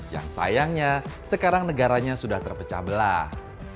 yang sayangnya sekarang negaranya sudah terpecah belah